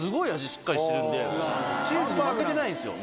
しっかりしてるんでチーズに負けてないんですよ。